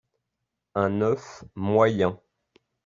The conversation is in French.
un oeuf moyen